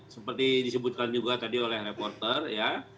seperti disebutkan juga tadi oleh reporter ya